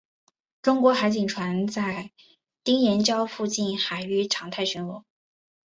中国海警船在丁岩礁附近海域常态巡逻。